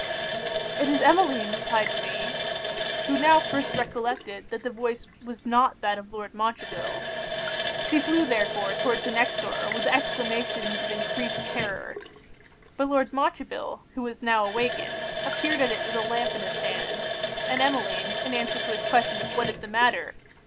'It is Emmeline,' replied she; who now first recollected that the voice was not that of Lord Montreville. She flew therefore towards the next door, with exclamations of encreased terror; but Lord Montreville, who was now awakened, appeared at it with a lamp in his hand; and Emmeline, in answer to his question of what is the matter?